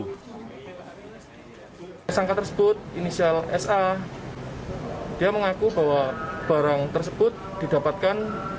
tersangka tersebut inisial sa dia mengaku bahwa barang tersebut didapatkan